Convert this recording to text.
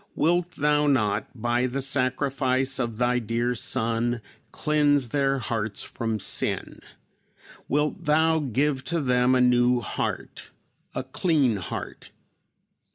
Wilt Thou not, by the sacrifice of thy dear Son, cleanse their hearts from sin. Wilt Thou give to them a new heart, a clean heart?